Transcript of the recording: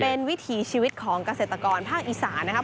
เป็นวิถีชีวิตของเกษตรกรภาคอีสานนะครับ